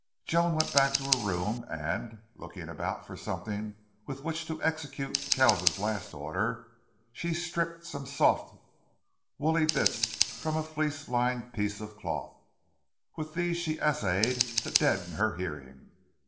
Joan went back to her room and, looking about for something with which to execute Kells's last order, she stripped some soft, woolly bits from a fleece lined piece of cloth. With these she essayed to deaden her hearing.